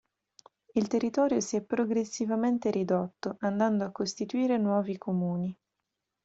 Il territorio si è progressivamente ridotto andando a costituire nuovi comuni.